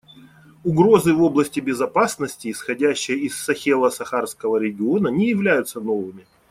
Угрозы в области безопасности, исходящие из Сахело-Сахарского региона, не являются новыми.